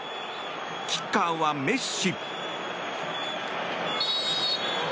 キッカーはメッシ。